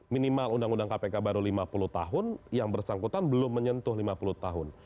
minimal undang undang kpk baru lima puluh tahun yang bersangkutan belum menyentuh lima puluh tahun